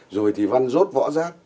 rồi thì văn rốt võ rác